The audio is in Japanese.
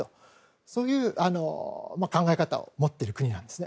そういう考え方を持っている国なんですね。